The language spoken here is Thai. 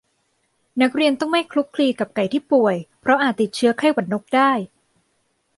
นักเรียนต้องไม่คลุกคลีกับไก่ที่ป่วย เพราะอาจติดเชื้อไข้หวัดนกได้